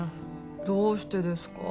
どうしてですか？